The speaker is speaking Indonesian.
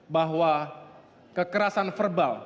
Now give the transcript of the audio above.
bahwa kekerasan verbal